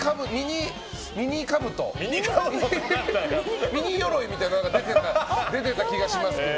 ミニかぶとミニ鎧みたいなものも出ていた気がしますけど。